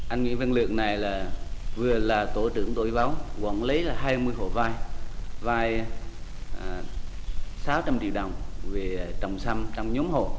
anh nguyễn văn lượng này là vừa là tổ trưởng tổ y báo quản lý là hai mươi hộ vai vai sáu trăm linh triệu đồng về trồng sâm trong nhóm hộ